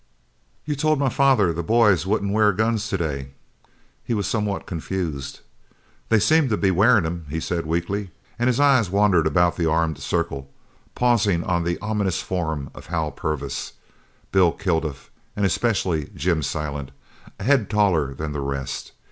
"You told my father the boys wouldn't wear guns today." He was somewhat confused. "They seem to be wearin' them," he said weakly, and his eyes wandered about the armed circle, pausing on the ominous forms of Hal Purvis, Bill Kilduff, and especially Jim Silent, a head taller than the rest.